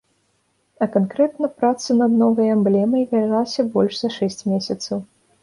А канкрэтна праца над новай эмблемай вялася больш за шэсць месяцаў.